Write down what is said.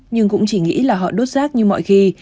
nhưng cũng chỉ nghĩ là họ đốt rác như mọi khi